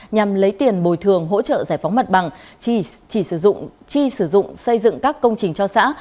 nhằm lấy tiền bồi thường hỗ trợ giải phóng mặt bằng chi sử dụng xây dựng các công trình cho xã